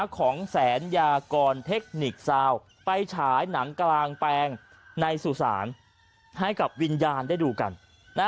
ของแสนยากรเทคนิคซาวไปฉายหนังกลางแปลงในสุสานให้กับวิญญาณได้ดูกัน